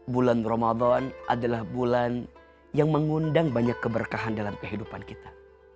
bulan ramadan adalah bulan yang mengundang banyak keberkahan dalam kehidupan kita